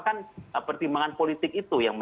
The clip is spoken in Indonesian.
kan pertimbangan politik itu yang